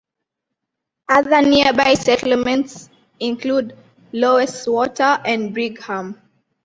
Other nearby settlements include Loweswater and Brigham.